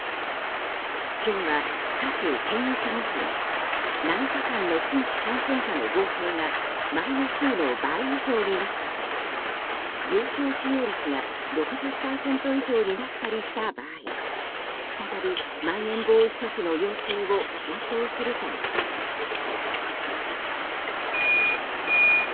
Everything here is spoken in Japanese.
県は各圏域ごとに７日間の新規感染者の合計が前の週の倍以上になったり病床使用率が６０％以上になったりした場合再びまん延防止措置の要請を検討するとしています。